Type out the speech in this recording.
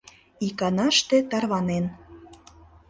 Иканаште тарванен